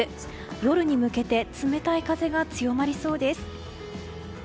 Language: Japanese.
夜に向けて冷たい風が強まりそうです。